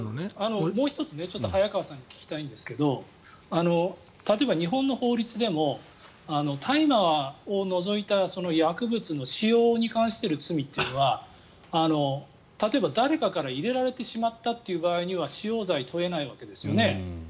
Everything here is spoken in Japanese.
もう１つ早川さんに聞きたいんですけど例えば、日本の法律でも大麻を除いた薬物の使用に関する罪というのは例えば誰かから入れられてしまったという場合には使用罪、問えないわけですよね。